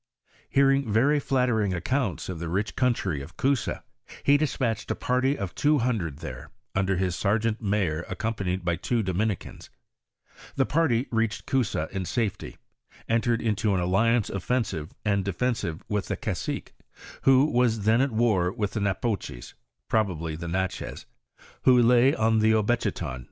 J Hearing very fiattering accounts of the rich country of Coosa, he despatched a party of two hundred there, under his sargente mayor accompanied by two Domin icans. The party reached Coosa in safety, entered into sr alliance ofi^ensive and defensive with the cacique, who was * Cattanedo de Jfagera in Temaux, p. 117. f Emmy tftvtto.